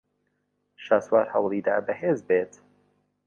شاسوار ھەوڵی دا بەھێز بێت.